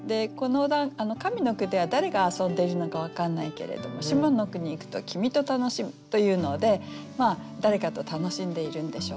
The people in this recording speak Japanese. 上の句では誰が遊んでいるのか分かんないけれども下の句にいくと「君と楽しむ」というので誰かと楽しんでいるんでしょう。